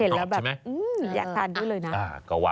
แล้วแบบอยากทานด้วยเลยนะ